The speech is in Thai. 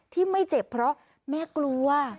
ที่ไม่เจ็บเพราะแม่กลัว